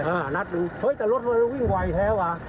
เออนัดดูเฮ้ยแต่รถมันวิ่งไวแท้วะ